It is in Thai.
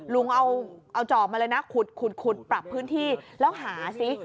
ลุงเอาจอบมาเลยนะขุดปรับพื้นที่แล้วหาซิ